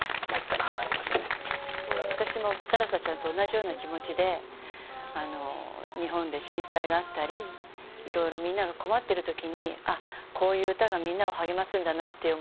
私もさらさちゃんと同じような気持ちで日本で震災があったりいろいろみんなが困ってる時にこういう歌がみんなを励ますんだなっていう思いで歌っているのでね